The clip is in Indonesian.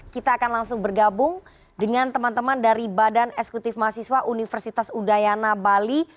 kita akan langsung bergabung dengan teman teman dari badan eksekutif mahasiswa universitas udayana bali